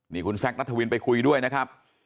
นี่คุณแซคนัทวินไปคุยด้วยนะครับ